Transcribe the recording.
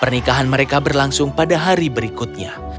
pernikahan mereka berlangsung pada hari berikutnya